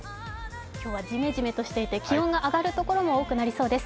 今日はじめじめとして気温が上がるところも多くなりそうです。